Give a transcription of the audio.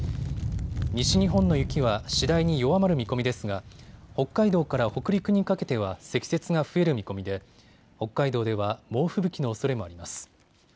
西日本の雪は次第に弱まる見込みですが北海道から北陸にかけては積雪が増える見込みで北海道では猛吹雪のおそれもあります。